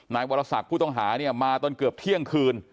นายวรศักดิ์ผู้ต้องหาเนี่ยมาตอนเกือบเที่ยงคืน